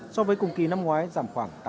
so với cùng kỳ năm ngoái giảm khoảng tám